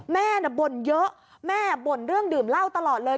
แม่น่ะบ่นเยอะแม่บ่นเรื่องดื่มเหล้าตลอดเลย